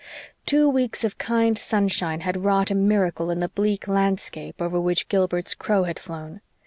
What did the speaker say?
Two weeks of kind sunshine had wrought a miracle in the bleak landscape over which Gilbert's crow had flown.